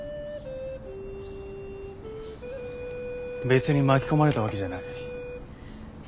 別に巻き込まれたわけじゃない。